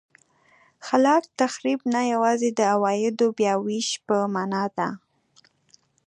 خلاق تخریب نه یوازې د عوایدو بیا وېش په معنا ده.